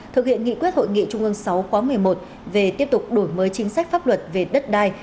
thực hiện nghị quyết hội nghị trung ương sáu khóa một mươi một về tiếp tục đổi mới chính sách pháp luật về đất đai